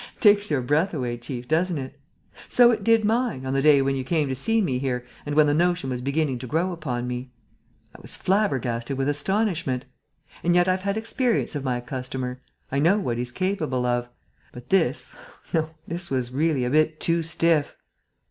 "Takes your breath away, chief, doesn't it? So it did mine, on the day when you came to see me here and when the notion was beginning to grow upon me. I was flabbergasted with astonishment. And yet I've had experience of my customer. I know what he's capable of.... But this, no, this was really a bit too stiff!"